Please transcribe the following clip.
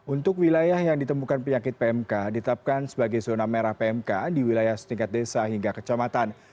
untuk wilayah yang ditemukan penyakit pmk ditetapkan sebagai zona merah pmk di wilayah setingkat desa hingga kecamatan